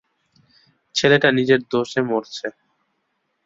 ছেলেটা নিজের দোষে মরেছে!